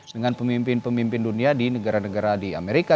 dengan pemimpin pemimpin dunia di negara negara di amerika